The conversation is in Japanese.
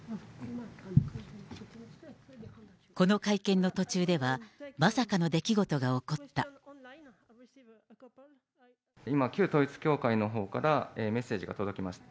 この会見の途中では、今、旧統一教会のほうからメッセージが届きました。